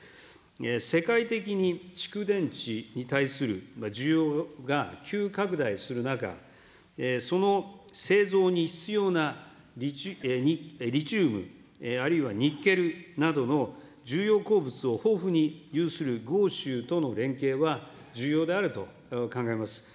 世界的に蓄電池に対する需要が急拡大する中、その製造に必要なリチウム、あるいはニッケルなどの重要鉱物を豊富に有する豪州との連携は重要であると考えます。